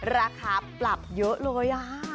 ราคาปรับเยอะเลย